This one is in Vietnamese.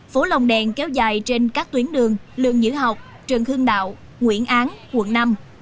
phố lồng đèn kéo dài trên các tuyến đường lương nhữ học trần hương đạo nguyễn áng quận năm